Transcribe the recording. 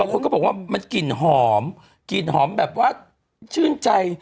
คนก็บอกว่ามันกลิ่นหอมกลิ่นหอมแบบว่าชื่นใจ